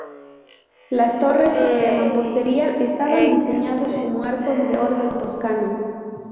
Las torres, de mampostería, estaban diseñados como arcos de orden toscano.